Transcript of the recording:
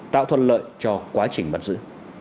tạo thuận lợi cho quá trình bắt giữ